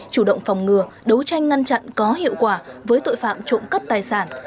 chủ động phòng ngừa đấu tranh ngăn chặn có hiệu quả với tội phạm trộm cắp tài sản